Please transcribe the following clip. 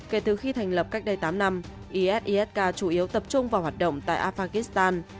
kể từ khi thành lập cách đây tám năm isisk chủ yếu tập trung vào hoạt động tại afghan